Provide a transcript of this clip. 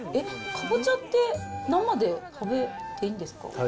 かぼちゃって生で食べれるんですか？